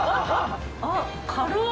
あっ。